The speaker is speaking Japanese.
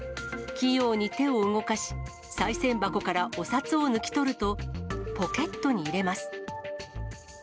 起用に手を動かし、さい銭箱からお札を抜き取ると、ポケットに入れます。